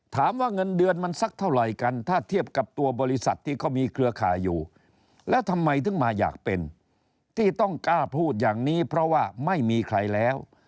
เงินเดือนมันสักเท่าไหร่กันถ้าเทียบกับตัวบริษัทที่เขามีเครือข่ายอยู่แล้วทำไมถึงมาอยากเป็นที่ต้องกล้าพูดอย่างนี้เพราะว่าไม่มีใครแล้ว